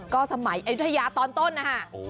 ก็สมัยอายุทยาตอนต้นนะคะ